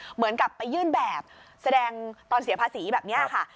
เหมือนกับไปยื่นแบบแสดงตอนเสียภาษีแบบนี้ค่ะ